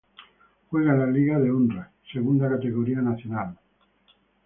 Juega en la Liga de Honra, segunda categoría nacional.